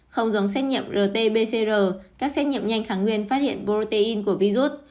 không giống xét nhiệm rt pcr các xét nhiệm nhanh kháng nguyên phát hiện protein của virus